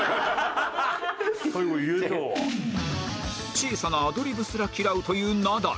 小さなアドリブすら嫌うというナダル